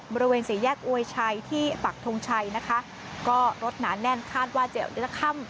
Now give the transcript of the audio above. บริเวณสี่แยกอวยชัยที่ปักทงชัยนะคะก็รถหนาแน่นคาดว่าจะค่ำ